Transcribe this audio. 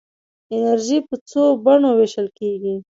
انرژي په څو بڼو ویشل کېږي.